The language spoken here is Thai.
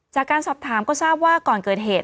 จากการสอบถามก็ทราบว่าก่อนเกิดเหตุ